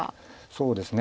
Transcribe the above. そうですね。